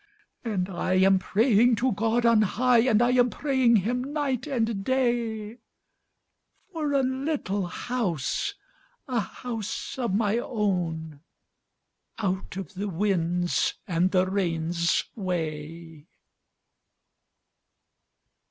And I am praying to God on high, And I am praying Him night and day, For a little houseóa house of my ownó Out of the wind's and the rain's way.